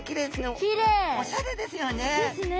おしゃれですよね。ですね。